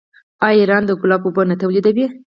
آیا ایران د ګلابو اوبه نه تولیدوي؟